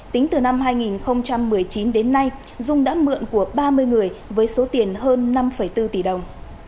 tính từ năm hai nghìn một mươi chín đến nay dung đã mượn của ba mươi người với số tiền hơn năm bốn tỷ đồng